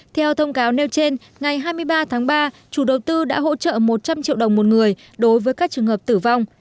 theo thông cáo nêu trên ngày hai mươi ba tháng ba chủ đầu tư đã hỗ trợ một trăm linh triệu đồng một người đối với các trường hợp tử vong